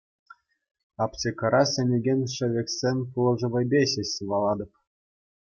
Аптекӑра сӗнекен шӗвексен пулӑшӑвӗпе ҫеҫ сывалатӑп.